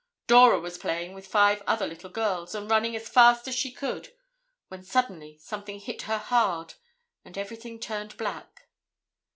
Dora was playing with five other little girls and running as fast as she could when suddenly something hit her hard and everything turned black.